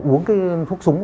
uống cái thuốc súng